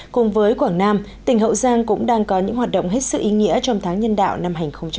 cùng với quảng nam tỉnh hậu giang cũng đang có những hoạt động hết sự ý nghĩa trong tháng nhân đạo năm hai nghìn một mươi chín